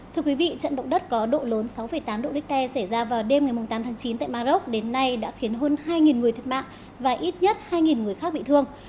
thưa quý vị trận động đất có độ lớn sáu tám độ richter xảy ra vào đêm ngày tám tháng chín tại maroc đến nay đã khiến hơn hai người thiệt mạng và ít nhất hai người khác bị thương